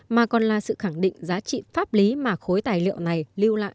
mà còn là sự khẳng định giá trị pháp lý mà khối tài liệu này lưu lại